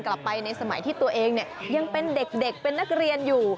กลับไปในสมัยที่ตัวเองยังเป็นเด็กเป็นนักเรียนอยู่